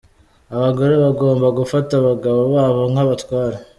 Abagore bagomba gufata abagabo babo nk’abatware.